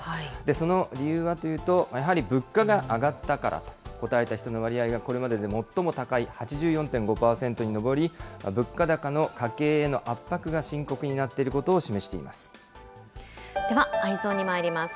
その理由はというと、やはり物価が上がったからと答えた人の割合が、これまでで最も高い８４．５％に上り、物価高の家計への圧迫が深刻になっているこでは、Ｅｙｅｓｏｎにまいります。